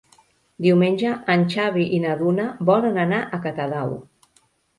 Diumenge en Xavi i na Duna volen anar a Catadau.